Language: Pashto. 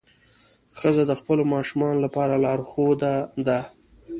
ښځه د خپلو ماشومانو لپاره لارښوده ده.